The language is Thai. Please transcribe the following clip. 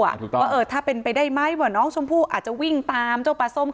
ว่าเอาถ้าเป็นไปได้ไหมว่าน้องชมพู่อาจจะวิ่งตาม